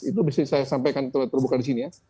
itu bisa saya sampaikan terbuka di sini ya